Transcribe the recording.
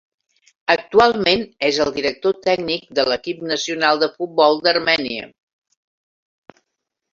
Actualment, és el director tècnic de l'equip nacional de futbol d'Armènia.